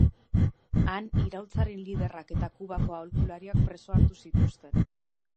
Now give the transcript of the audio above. Han, iraultzaren liderrak eta Kubako aholkulariak preso hartu zituzten.